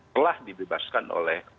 telah dibebaskan oleh